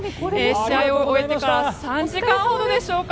試合を終えてから３時間ほどでしょうか。